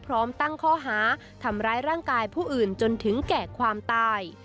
พร้อมตั้งข้อหาทำร้ายร่างกายผู้อื่นจนถึงแก่ความตาย